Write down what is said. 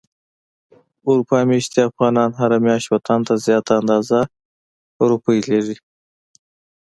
اروپا ميشتي افغانان هره مياشت وطن ته زياته اندازه روپی ليږي.